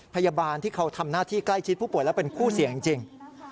พยาบาลที่เขาทำหน้าที่ใกล้ชิดผู้ป่วยแล้วเป็นคู่เสี่ยงจริง